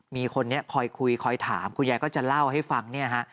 มีคนนี้คอยคุยคอยถามคุณยายก็จะเล่าให้ฟังเนี่ยฮะ